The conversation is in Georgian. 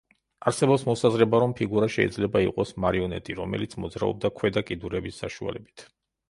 არსებობს მოსაზრება, რომ ფიგურა შეიძლება იყოს მარიონეტი, რომელიც მოძრაობდა ქვედა კიდურების საშუალებით.